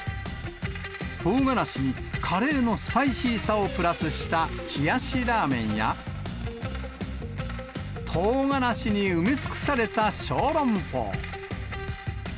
トウガラシにカレーのスパイシーさをプラスした冷やしラーメンや、トウガラシに埋め尽くされた小籠包。